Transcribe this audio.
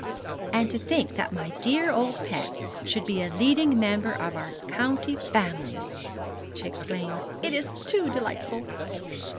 'And to think that my dear old pet should be a leading member of our county families!' she exclaimed; 'it is too delightful.'